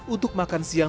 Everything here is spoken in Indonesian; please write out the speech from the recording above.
untuk makan sehari